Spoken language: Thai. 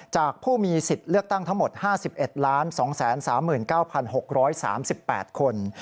จากผู้มีสิทธิ์เลือกตั้งทั้งหมด๕๑๒๓๙๖๓๘คน